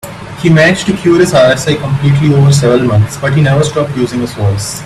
He managed to cure his RSI completely over several months, but he never stopped using his voice.